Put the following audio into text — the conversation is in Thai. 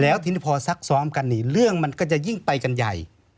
แล้วทีนี้พอซักซ้อมกันนี่เรื่องมันก็จะยิ่งไปกันใหญ่